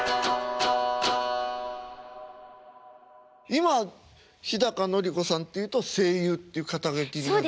今日のり子さんっていうと声優っていう肩書なるの？